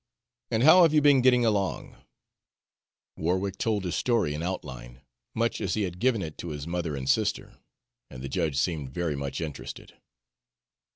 and how have you been getting along?" Warwick told his story in outline, much as he had given it to his mother and sister, and the judge seemed very much interested.